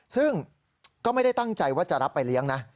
ซึ่งก็ไม่ได้ตั้งใจว่าจะรับไปเลี้ยงนะ